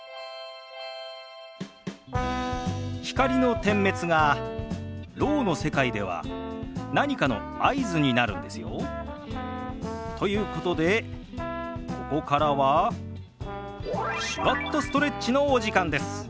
光の点滅がろうの世界では何かの合図になるんですよ。ということでここからは「手話っとストレッチ」のお時間です。